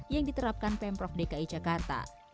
yang diterapkan pemprov dki jakarta